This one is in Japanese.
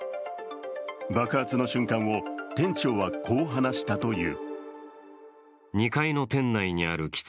爆発の瞬間を店長はこう話したという。